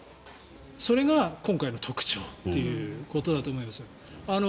それが今回の特徴ということだと思います。